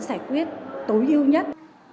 giải quyết tối ưu nhất